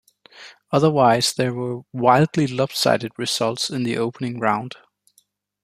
Otherwise there were wildly lopsided results in the opening round.